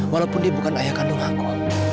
walaupun dia bukan ayah kandung aku